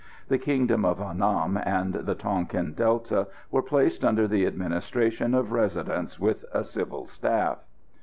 The kingdom of Annam and the Tonquin Delta were placed under the administration of Residents with a Civil staff.